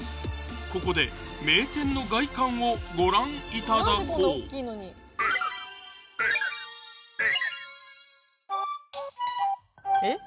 ここで名店の外観をご覧いただこうえっ？